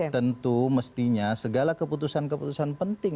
tentu mestinya segala keputusan keputusan penting